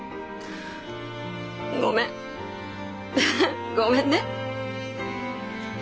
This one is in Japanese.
ごめんごめんね。